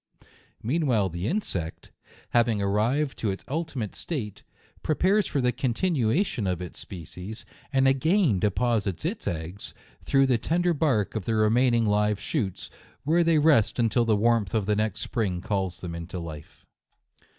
Meanwhile the insect, having arrived to its ultimate state, prepares for the continuation of its species, and again deposits its eggs, through the ten der bark of the remaining live shoots; where they rest until the warmth of the next spring calls them into life.